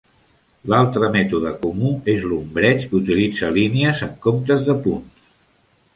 L'altre mètode comú és l'ombreig, que utilitza línies en comptes de punts.